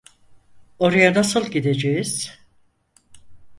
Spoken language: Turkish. Oraya nasıl gideceğiz?